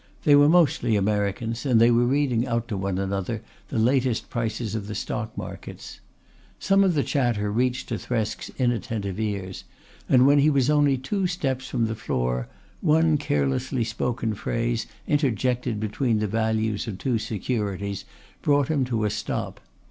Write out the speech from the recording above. They were mostly Americans, and they were reading out to one another the latest prices of the stock markets. Some of the chatter reached to Thresk's inattentive ears, and when he was only two steps from the floor one carelessly spoken phrase interjected between the values of two securities brought him to a stop.